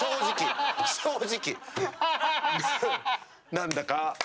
何だか。